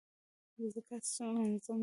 د زکات سیستم منظم دی؟